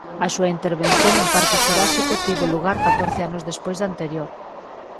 A súa intervención en "Parque Xurásico" tivo lugar catorce anos despois da anterior.